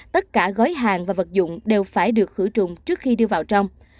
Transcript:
tất cả gói hàng và vật dụng đều phải được khử trùng trước khi đưa vào trong